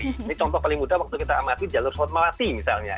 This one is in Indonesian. ini contoh paling mudah waktu kita amati jalur formati misalnya